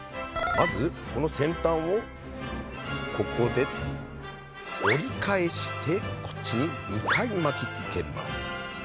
まずこの先端をここで折り返してこっちに２回巻きつけます。